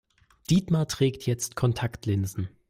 Dietmar trägt jetzt Kontaktlinsen.